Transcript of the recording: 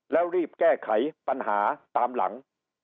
แล้วรีบแก้ไขปัญหาตามหลัง